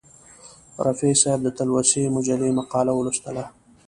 رفیع صاحب د تلوسې مجلې مقاله ولوستله.